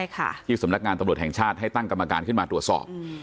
ที่สำนักงานตำรวจแห่งชาติให้ตั้งกรรมการขึ้นมาตรวจสอบ